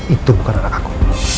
itu bukan anak aku